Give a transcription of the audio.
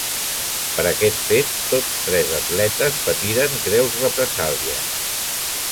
Per aquest fet, tots tres atletes patiren greus represàlies.